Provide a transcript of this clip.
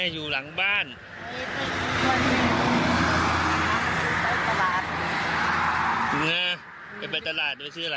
อยู่บ้านกับใครเนี่ย